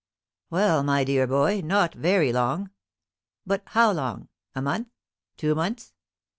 "Well, my dear boy, not very long." "But how long? A month two months?